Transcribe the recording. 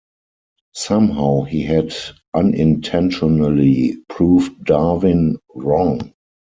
Somehow he had unintentionally proved Darwin wrong.